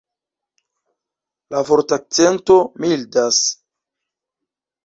La vortakcento mildas.